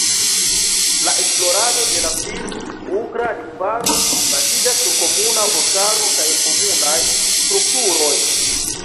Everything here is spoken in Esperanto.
La esplorado de la finn-ugra lingvaro baziĝas sur komuna vortaro kaj komunaj strukturoj.